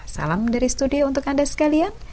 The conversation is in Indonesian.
salam dari studio untuk anda sekalian